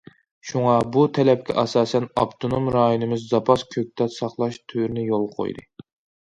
شۇڭا، بۇ تەلەپكە ئاساسەن ئاپتونوم رايونىمىز زاپاس كۆكتات ساقلاش تۈرىنى يولغا قويدى.